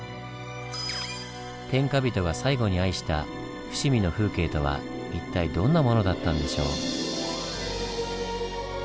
天下人が最後に愛した伏見の風景とは一体どんなものだったんでしょう？